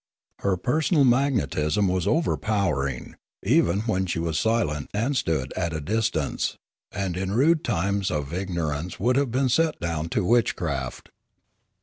Her personal mag netism was overpowering, even when she was silent and stood at a distance, and in rude times of ignorance would have been set down to witchcraft.